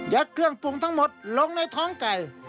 ยักษ์เครื่องปุ่งทั้งหมดลงในท้องไก่